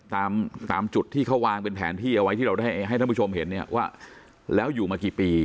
ตามตามจุดที่เขาวางเป็นแผนที่เอาไว้ที่เราได้ให้ท่านผู้ชมเห็นเนี่ยว่าแล้วอยู่มากี่ปี